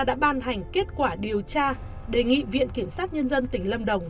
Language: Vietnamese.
đã ban hành kết quả điều tra đề nghị viện kiểm sát nhân dân tỉnh lâm đồng